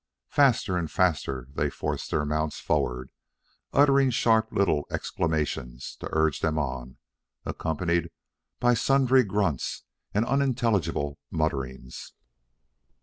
Faster and faster they forced their mounts forward, uttering sharp little exclamations to urge them on, accompanied by sundry grunts and unintelligible mutterings.